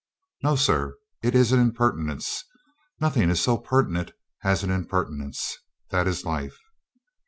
"No, sir. It is an impertinence. Nothing is so pertinent as an impertinence. That is life."